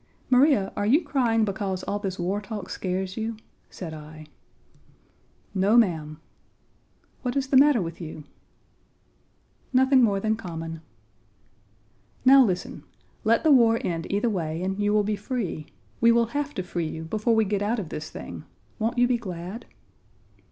"Maria, are you crying because all this war talk scares you?" said I. "No, ma'am." "What is the matter with you?" "Nothing more than common." "Now listen. Let the war end either way and you will be free. We will have to free you before we get out of this thing. Won't you be glad?"